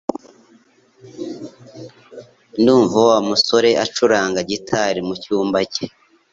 Ndumva Wa musore acuranga gitari mucyumba cye